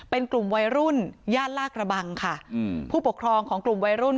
เป็นกลุ่มวัยรุ่นย่านลากระบังค่ะอืมผู้ปกครองของกลุ่มวัยรุ่น